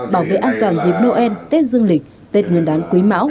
bảo vệ an toàn dịp noel tết dương lịch tết nguyên đán quý mão hai nghìn hai mươi ba